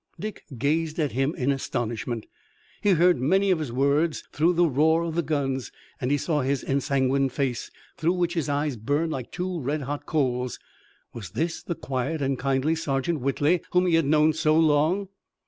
Dick gazed at him in astonishment. He heard many of his words through the roar of the guns, and he saw his ensanguined face, through which his eyes burned like two red hot coals. Was this the quiet and kindly Sergeant Whitley whom he had known so long?